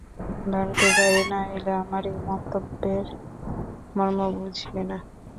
ভারতের বাইরে না এলে আমার এ মন্তব্যের মর্ম বুঝবে না।